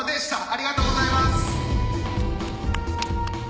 ありがとうございます！